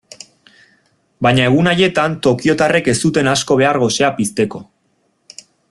Baina egun haietan tokiotarrek ez zuten asko behar gosea pizteko.